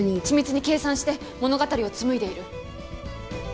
緻密に計算して物語を紡いでいる。